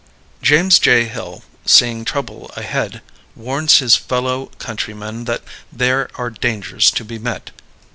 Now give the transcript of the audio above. James J. Hill, Seeing Trouble Ahead, Warns His Fellow Countrymen That There Are Dangers to Be Met.